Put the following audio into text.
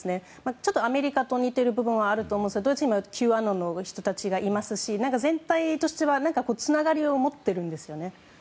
ちょっとアメリカと似ている部分があると思うんですがドイツはＱアノンの人たちがいますし全体としてはつながりを持ってるんですよね。